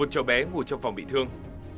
một chậu bé ngủ trong phòng bị thương